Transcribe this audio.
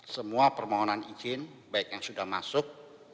semua permohonan izin baik yang sudah masuk